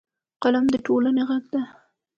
قلم د ټولنې غږ دی